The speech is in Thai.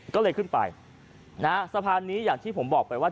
ก็เลยขึ้นไปนะฮะสะพานนี้อย่างที่ผมบอกไปว่า